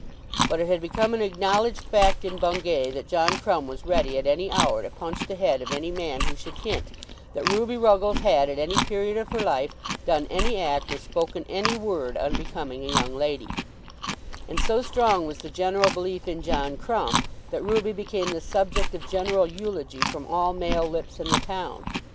But it had become an acknowledged fact in Bungay that John Crumb was ready at any hour to punch the head of any man who should hint that Ruby Ruggles had, at any period of her life, done any act or spoken any word unbecoming a young lady; and so strong was the general belief in John Crumb, that Ruby became the subject of general eulogy from all male lips in the town.